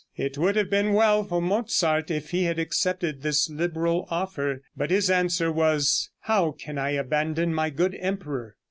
It would have been well for Mozart if he had accepted this liberal offer; but his answer was, "How can I abandon my good emperor?"